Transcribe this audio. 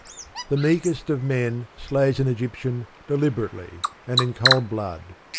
The meekest of men slays an Egyptian deliberately and in cold blood.